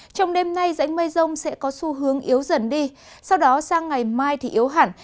trong đêm nay rãnh mây rông sẽ có xu hướng yếu dần đi sau đó sang ngày mai thì yếu hẳn